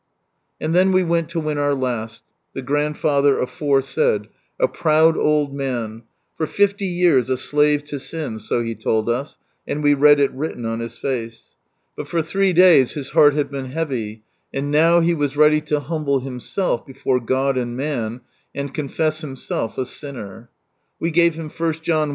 And then we went lo win our last, the grandfather aforesaid, a proud old n for fifty years a slave to sin, so he told us, and we read it written on his face. But for three days his heart had been heavy, and now he was ready to humble himself before God and man, and confess himself a sinner. We gave him i John i.